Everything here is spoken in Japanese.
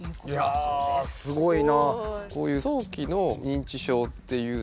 いやすごいな。